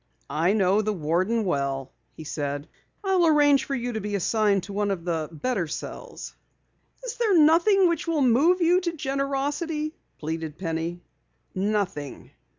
"I know the warden well," he said. "I'll arrange for you to be assigned to one of the better cells." "Is there nothing which will move you to generosity?" pleaded Penny. "Nothing."